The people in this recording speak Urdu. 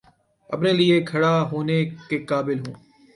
اپنے لیے کھڑا ہونے کے قابل ہوں